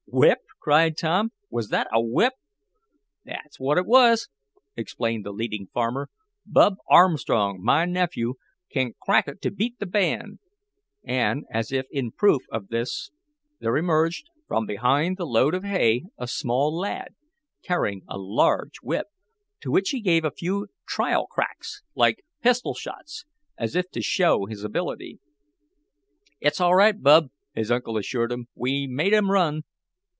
"Whip!" cried Tom. "Was that a whip?" "That's what it was," explained the leading farmer. "Bub Armstrong, my nephew, can crack it to beat th' band," and as if in proof of this there emerged from behind the load of hay a small lad, carrying a large whip, to which he gave a few trial cracks, like pistol shots, as if to show his ability. "It's all right, Bub," his uncle assured him. "We made 'em run."